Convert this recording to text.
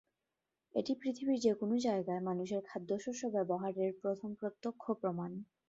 এটি পৃথিবীর যে কোনও জায়গায় মানুষের খাদ্যশস্য ব্যবহারের প্রথম প্রত্যক্ষ প্রমাণ।